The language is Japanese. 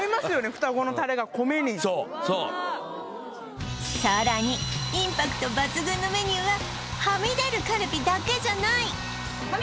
ふたごのタレが米にそうそうさらにインパクト抜群のメニューははみ出るカルビだけじゃない！